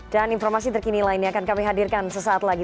dan informasi terkini lainnya akan kami hadirkan sesaat lagi